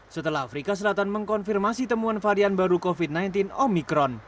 setelah afrika selatan mengkonfirmasi temuan varian baru covid sembilan belas omikron